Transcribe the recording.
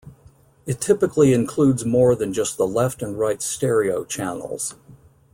It typically includes more than just the left and right stereo channels.